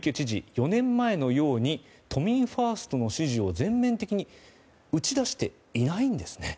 ４年前のように都民ファーストの支持を全面的に打ち出していないんですね。